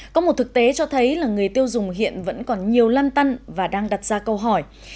có một thực tế cho thấy là người tiêu dùng hiện vẫn còn nhiều lan tăn và đang đặt ra câu hỏi